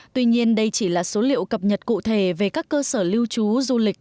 tuy nhiên đây chỉ là số liệu cập nhật cụ thể về các cơ sở lưu trú du lịch